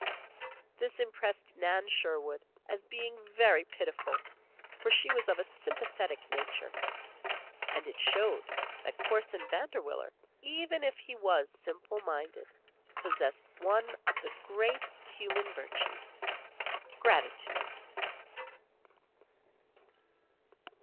This impressed Nan Sherwood as being very pitiful, for she was of a sympathetic nature. And it showed that Corson Vanderwiller, even if he was simple minded, possessed one of the great human virtues, gratitude.